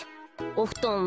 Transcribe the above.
おふとん